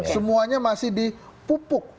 semuanya masih dipupuk